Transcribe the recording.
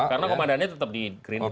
karena komandannya tetap di green